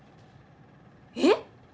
えっ！？